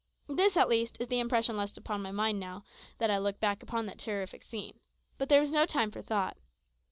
This, at least, is the impression left upon my mind now that I look back upon that terrific scene. But there was no time for thought.